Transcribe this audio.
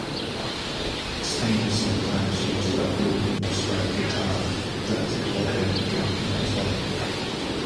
Smear sometimes used a blue Mosrite guitar that Cobain gave him as well.